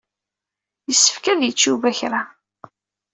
Yessefk ad yečč Yuba kra.